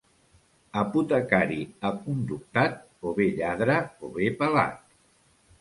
Apotecari aconductat, o bé lladre o bé pelat.